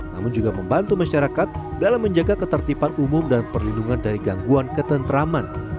namun juga membantu masyarakat dalam menjaga ketertiban umum dan perlindungan dari gangguan ketentraman